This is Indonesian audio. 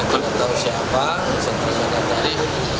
tidak tahu siapa siapa yang terjaga tadi